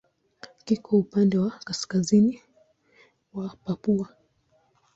Kiko upande wa kaskazini wa Papua.